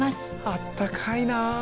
あったかいな。